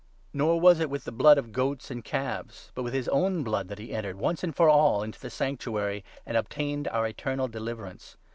Nor was it with the blood of goats and calves, but with 12 his own blood, that he entered, once and for all, into the Sanctuary, and obtained our eternal deliverance.